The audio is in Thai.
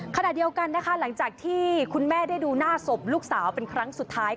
ขณะเดียวกันนะคะหลังจากที่คุณแม่ได้ดูหน้าศพลูกสาวเป็นครั้งสุดท้าย